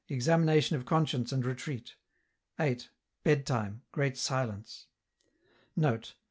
Examination of conscience and Retreat. 8. Bed time, Great Silence. Note.